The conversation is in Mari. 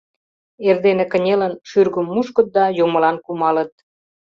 Эрдене кынелын, шӱргым мушкыт да юмылан кумалыт.